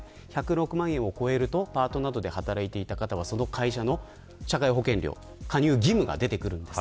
１０６万円を超えるとパートなどで働いていた方はその会社の社会保険料の加入義務が出てくるんです。